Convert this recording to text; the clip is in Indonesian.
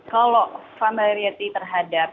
kalau familiarity terhadap